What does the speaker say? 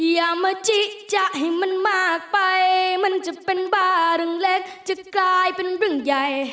อย่ามาจิจะให้มันมากไปมันจะเป็นบ้าเรื่องเล็กจะกลายเป็นเรื่องใหญ่